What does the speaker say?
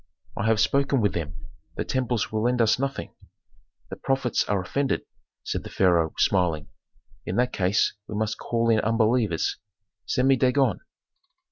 "I have spoken with them. The temples will lend us nothing." "The prophets are offended," said the pharaoh, smiling. "In that case we must call in unbelievers. Send to me Dagon."